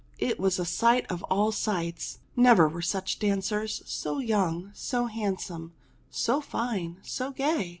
It was a sight of all sights ! Never were such dancers ! So young, so handsome, so fine, so gay